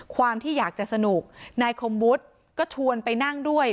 ความที่อยากจะสนุกนายคมวุฒิก็ชวนไปนั่งด้วย